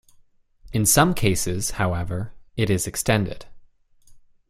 In some cases, however, it is extended.